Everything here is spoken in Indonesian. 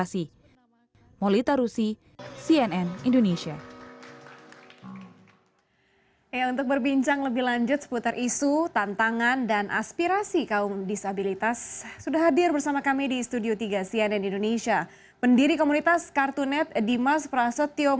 sekali lagi ini menjadi bukti bahwa keterbatasan fisik dan kesehatan di indonesia adalah hal yang sangat penting